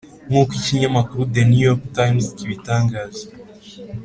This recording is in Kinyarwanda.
nk'uko ikinyamakuru the new york times kibitangaza.